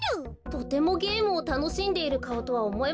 とてもゲームをたのしんでいるかおとはおもえませんね。